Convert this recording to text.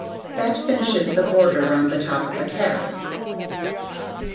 This finishes the border round the top of the cap.